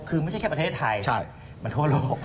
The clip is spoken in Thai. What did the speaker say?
คือไม่ใช่แค่ประเทศไทยมันทั่วโลก